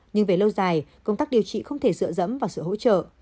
nhưng về lâu dài công tác điều trị không thể sửa dẫm và sửa hỗ trợ